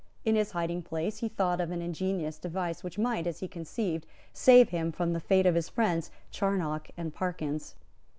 In his hiding place he thought of an ingenious device which might, as he conceived, save him from the fate of his friends Charnock and Parkyns.